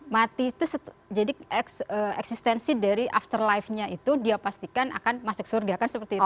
mati itu jadi eksistensi dari after life nya itu dia pastikan akan masuk surga kan seperti itu